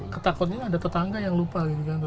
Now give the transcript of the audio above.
ketakutnya ada tetangga yang lupa